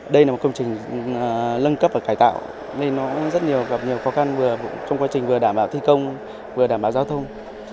đây là một công trình lân cấp và cải tạo nên nó rất gặp nhiều khó khăn vừa trong quá trình vừa đảm bảo thi công vừa đảm bảo giao thông